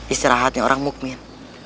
istirahatnya orang mukmin